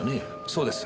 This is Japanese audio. そうです。